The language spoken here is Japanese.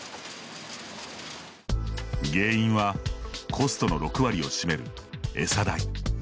原因はコストの６割を占める餌代。